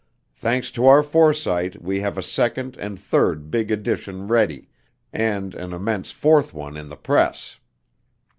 Thanks to our foresight we have a second and third big edition ready, and an immense fourth one in the press.